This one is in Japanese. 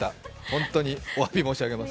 本当におわび申し上げます。